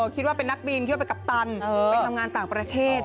คิดว่าเป็นนักบินคิดว่าเป็นกัปตันไปทำงานต่างประเทศ